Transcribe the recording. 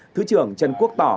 thứ trưởng trần quốc tỏ